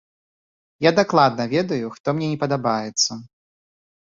Я дакладна ведаю, хто мне не падабаецца.